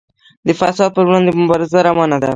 د فساد پر وړاندې مبارزه روانه ده